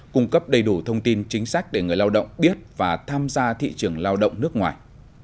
cung cấp đầy đủ thông tin chính sách để người lao động biết và tham gia thị trường lao động nước ngoài